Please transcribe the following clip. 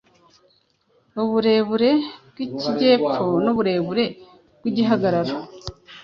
uburebure bw’ikijyepfo n’uburebure bw’igihagararo